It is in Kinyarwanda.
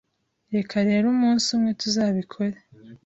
Reka rero umunsi umwe tuzabikore